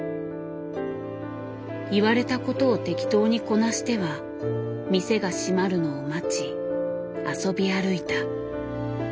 言われたことを適当にこなしては店が閉まるのを待ち遊び歩いた。